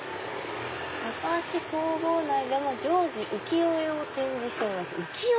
「高橋工房内でも常時浮世絵を展示しております」。